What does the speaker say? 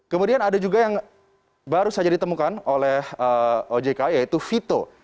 kemudian ada juga yang baru saja ditemukan oleh ojk yaitu vito